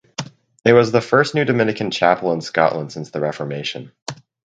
It was the first new Dominican chapel in Scotland since the Reformation.